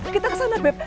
kita kesana beb